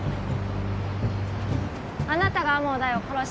あなたが天羽大を殺した。